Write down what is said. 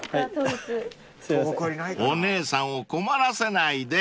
［お姉さんを困らせないで］